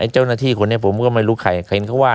เจ้าหน้าที่คนนี้ผมก็ไม่รู้ใคร